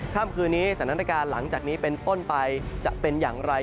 ค่ำคืนนี้สถานการณ์หลังจากนี้เป็นต้นไปจะเป็นอย่างไร